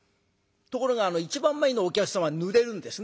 ところが一番前のお客様はぬれるんですね。